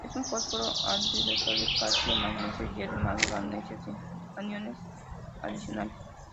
Es un fosfato anhidro de sodio, calcio, magnesio, hierro y manganeso, sin aniones adicionales.